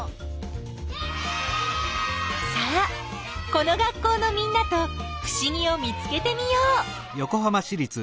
さあこの学校のみんなとふしぎを見つけてみよう！